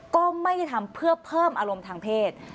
ก็ไม่ได้ทำเพื่อเพิ่มอารมณ์ทางเพศ